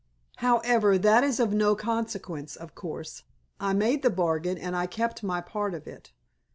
However, that is of no consequence, of course. I made the bargain, and I kept my part of it.